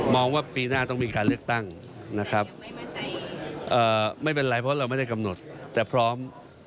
ว่าปีหน้าต้องมีการเลือกตั้งนะครับไม่เป็นไรเพราะเราไม่ได้กำหนดแต่พร้อม